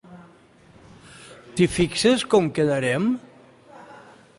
T'hi fixes, com quedarem?